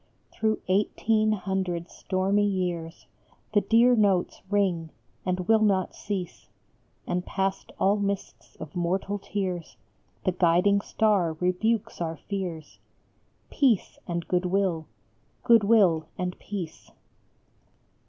Through eighteen hundred stormy years The dear notes ring, and will not cease ; And past all mists of mortal tears The guiding star rebukes our fears, Peace and Good will : Good will and Peace.